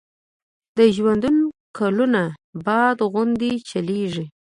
د ژوندون کلونه باد غوندي چلیږي